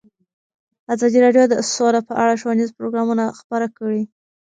ازادي راډیو د سوله په اړه ښوونیز پروګرامونه خپاره کړي.